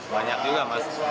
banyak juga mas